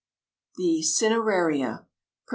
THE CINERARIA. PROF.